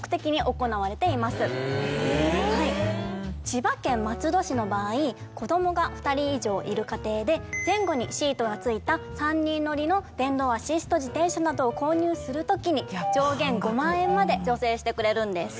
千葉県松戸市の場合子供が２人以上いる家庭で前後にシートがついた３人乗りの電動アシスト自転車などを購入するときに上限５万円まで助成してくれるんです。